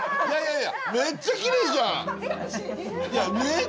いやめっちゃきれいじゃん！